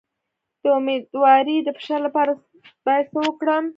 د امیدوارۍ د فشار لپاره باید څه وکړم؟